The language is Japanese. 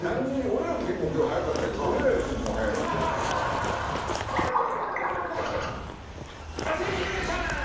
俺らも結構今日早かったけど俺らよりももう早いもんね。